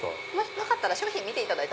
よかったら見ていただいて。